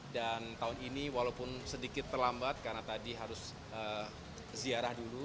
dan tahun ini walaupun sedikit terlambat karena tadi harus ziarah dulu